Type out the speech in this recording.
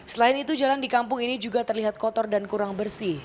selain itu jalan di kampung ini juga terlihat kotor dan kurang bersih